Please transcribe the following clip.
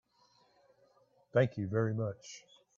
Thank you very much.